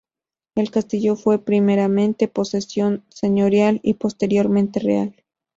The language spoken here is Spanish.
El castillo fue primeramente posesión señorial y posteriormente real.